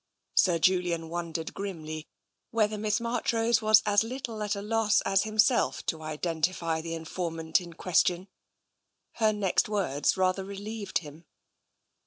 Sir Julian wondered grimly whether Miss Marchrose was as little at a loss as himself to identify the infor mant in question. Her next words rather relieved him.